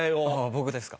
僕ですか。